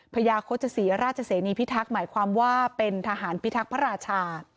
พญาโฆษศรีราชเสนีพิทักษ์หมายความว่าเป็นทหารพิทักษ์พระราชา